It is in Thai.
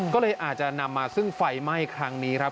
ก็เลยอาจจะนำมาซึ่งไฟไหม้ครั้งนี้ครับ